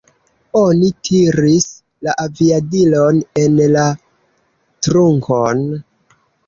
Oni tiris la aviadilon en la trunkon.